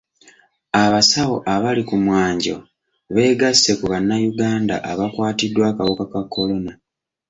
Abasawo abali ku mwanjo beegasse ku bannayuganda abakwatiddwa akawuka ka kolona..